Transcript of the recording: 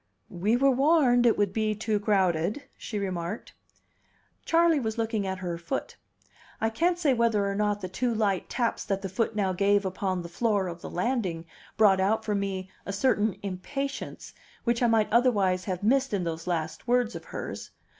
"We were warned it would be too crowded," she remarked. Charley was looking at her foot. I can't say whether or not the two light taps that the foot now gave upon the floor of the landing brought out for me a certain impatience which I might otherwise have missed in those last words of hers.